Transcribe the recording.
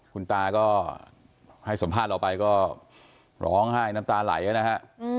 คุณตาก็ให้สัมภาษณ์เราไปก็ร้องไห้น้ำตาไหลนะฮะ